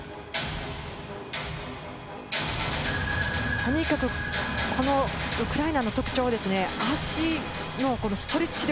とにかくウクライナの特徴は、脚のストレッチ力。